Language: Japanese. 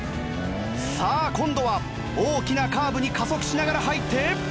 さあ今度は大きなカーブに加速しながら入って。